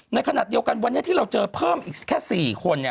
ในขณะเดียวกันวันนี้ที่เราเจอเพิ่มอีกแค่๔คน